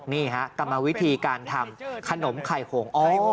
นี่ฮะกรรมวิธีการทำขนมไข่โหงอ้อ